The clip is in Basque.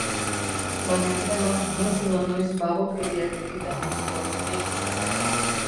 Baina denok noiz edo noiz babokeriak egiten ditugu, nik uste.